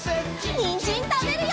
にんじんたべるよ！